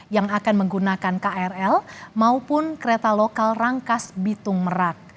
yang akan menggunakan krl maupun kereta lokal rangkas bitung merak